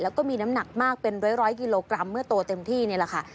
แล้วก็มีน้ำหนักมากเป็นร้อยกิโลกรัมเมื่อโตเต็มที่นี่แหละค่ะ